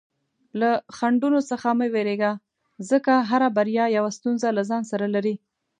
له خنډونو څخه مه ویریږه، ځکه هره بریا یوه ستونزه له ځان سره لري.